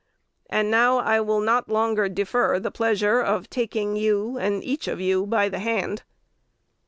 And now I will not longer defer the pleasure of taking you, and each of you, by the hand."